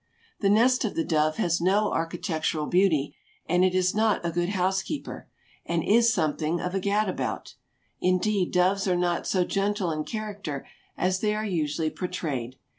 The nest of the dove has no architectural beauty and it is not a good housekeeper, and is something of a gad about. Indeed, doves are not so gentle in character as they are usually portrayed.